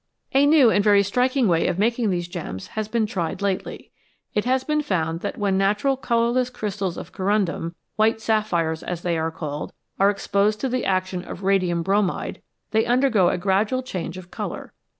A new and very striking way of making these gems has been tried lately. It has been found that when natural colourless crystals of corundum white sapphires, as they are called are exposed to the action of radium bromide, they undergo a gradual change of colour.